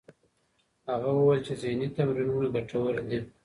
هغه وویل چې ذهنې تمرینونه ګټور دي.